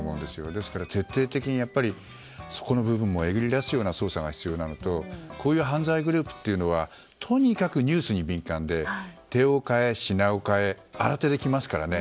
ですから、徹底的にそこの部分も抉り出すような捜査が必要なのとこういう犯罪グループはとにかくニュースに敏感で手を変え品を変え新手できますからね。